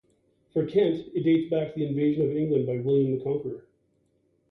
For Kent, It dates back to the invasion of England by William The Conqueror.